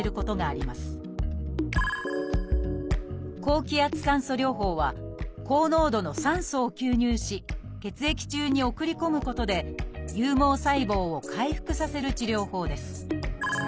高気圧酸素療法は高濃度の酸素を吸入し血液中に送り込むことで有毛細胞を回復させる治療法です。